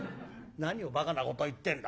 「何をばかなこと言ってんだ。